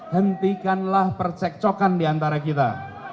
hentikanlah percekcokan diantara kita